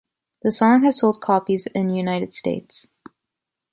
The song has sold copies in United States.